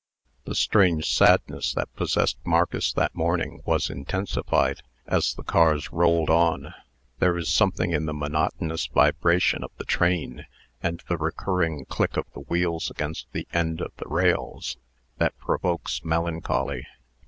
The strange sadness that possessed Marcus that morning was intensified as the ears rolled on. There is something in the monotonous vibration of the train, and the recurring click of the wheels against the end of the rails, that provokes melancholy.